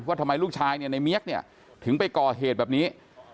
ว่าทำไมลูกชายในเมี๊ยกถึงไปก่อเหตุแบบนี้